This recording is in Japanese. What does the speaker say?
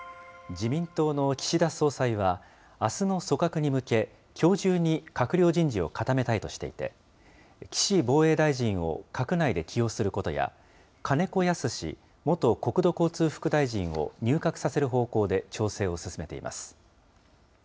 自民党の岸田総裁は、あすの組閣に向け、きょう中に閣僚人事を固めたいとしていて、岸防衛大臣を閣内で起用することや、金子恭之元国土交通副大臣を、入閣させる方向で調整を進めています。